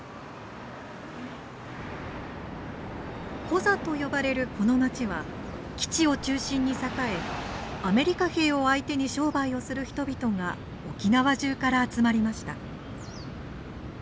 コザと呼ばれるこの町は基地を中心に栄えアメリカ兵を相手に商売をする人々が沖縄中から集まりました。